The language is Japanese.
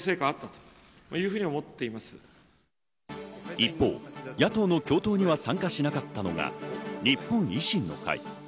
一方、野党の共闘には参加しなかったのが日本維新の会。